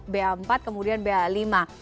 ba empat kemudian ba lima